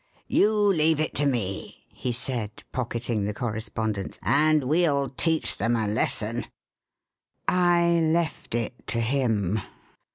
"You leave it to me," he said, pocketing the correspondence, "and we'll teach them a lesson." I left it to him.